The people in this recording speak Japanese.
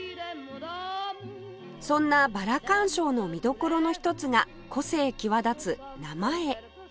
そんなバラ観賞の見どころの一つが個性際立つ名前